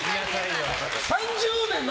３０年生